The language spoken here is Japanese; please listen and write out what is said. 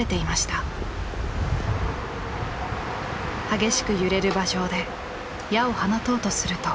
激しく揺れる馬上で矢を放とうとすると。